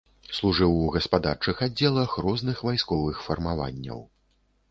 Служыў у гаспадарчых аддзелах розных вайсковых фармаванняў.